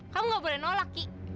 kamu gak boleh nolak ki